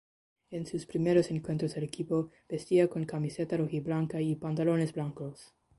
En sus primeros encuentros el equipo vestía con camiseta rojiblanca y pantalones blancos.